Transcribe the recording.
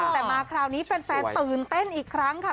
แต่มาคราวนี้แฟนตื่นเต้นอีกครั้งค่ะ